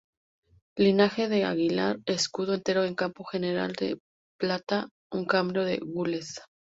Linaje de Aguilar: Escudo entero en campo general de plata, un cabrio de gules.